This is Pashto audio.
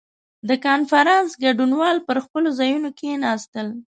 • د کنفرانس ګډونوال پر خپلو ځایونو کښېناستل.